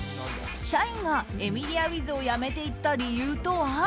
社員がエミリアウィズを辞めていった理由とは？